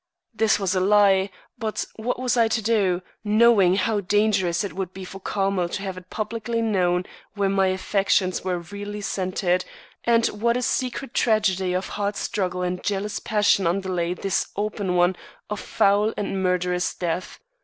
This was a lie, but what was I to do, knowing how dangerous it would be for Carmel to have it publicly known where my affections were really centred and what a secret tragedy of heart struggle and jealous passion underlay this open one of foul and murderous death.